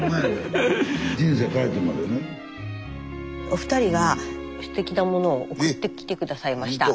お二人がすてきなものを送ってきて下さいました。